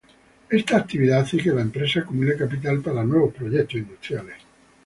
Esta actividad hace que la empresa acumule capital para nuevos proyectos industriales.